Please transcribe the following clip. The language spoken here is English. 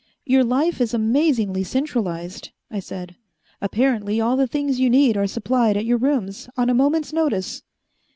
"Your life is amazingly centralized," I said. "Apparently all the things you need are supplied at your rooms on a moment's notice."